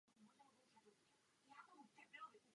Jedním příkladem je účetní závěrka Komise.